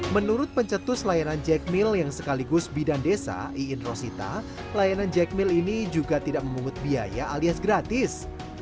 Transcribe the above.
menurut pencetus layanan jekmil yang sekaligus bidan desa iin rosita layanan jekmil ini juga tidak memungut biaya alias gratis